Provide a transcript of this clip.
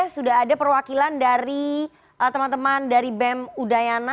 sudah ada perwakilan dari bem udayana